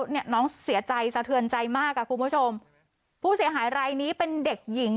เนี่ยน้องเสียใจสะเทือนใจมากอ่ะคุณผู้ชมผู้เสียหายรายนี้เป็นเด็กหญิง